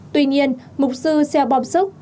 tuy nhiên mục sư seo bom suk